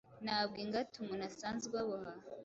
Ntabwo ingata umuntu asanzwe aboha,